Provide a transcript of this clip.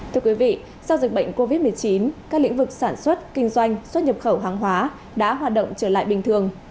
thưa quý vị sau dịch bệnh covid một mươi chín các lĩnh vực sản xuất kinh doanh xuất nhập khẩu hàng hóa đã hoạt động trở lại bình thường